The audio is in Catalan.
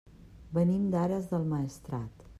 Venim d'Ares del Maestrat.